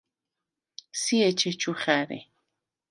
სი ეჩეჩუ ხა̈რი.